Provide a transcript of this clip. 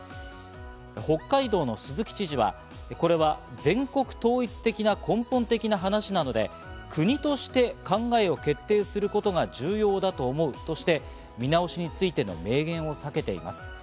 北海道の鈴木知事は、これは全国統一的な根本的な話なので、国として考えを決定することが重要だと思うとして、見直しについての明言を避けています。